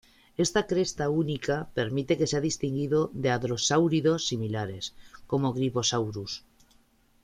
Esta cresta única permite que sea distinguido de hadrosáuridos similares, como "Gryposaurus".